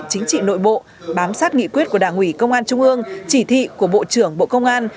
chính trị nội bộ bám sát nghị quyết của đảng ủy công an trung ương chỉ thị của bộ trưởng bộ công an